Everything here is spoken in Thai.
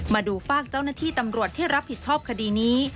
มาดูฝากเจ้าหน้าที่ตำรวจที่รับผิดชอบคดีนี้